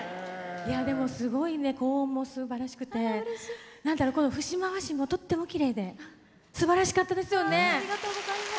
でも、すごい高音もすばらしくて節回しもとってもきれいですばらしかったですよね。